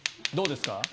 どうですか？